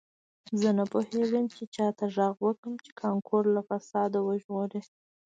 زه نه پوهیږم چې چا ته غږ وکړم چې کانکور له فساد وژغوري